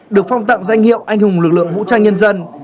được phong tặng danh hiệu anh hùng lực lượng vũ trang nhân dân